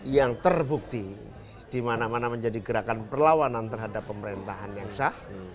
yang terbukti di mana mana menjadi gerakan perlawanan terhadap pemerintahan yang sah